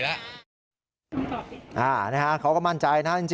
ครอบครัวก็มั่นใจนะ